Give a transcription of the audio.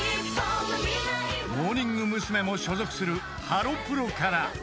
［モーニング娘。も所属するハロプロから］